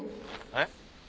えっ？